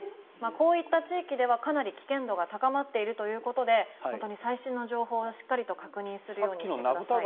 こういった地域ではかなり危険度が高まっているということで本当に最新の情報をしっかり確認するようにしてください。